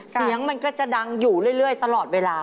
เสียงมันก็จะดังอยู่เรื่อยตลอดเวลา